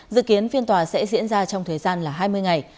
dự kiến phiên tòa sẽ diễn ra trong thời gian hai mươi ngày